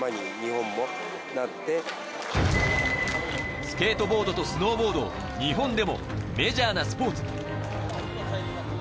スケートボードとスノーボードを日本でもメジャーなスポーツに。